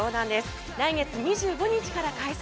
来月２５日から開催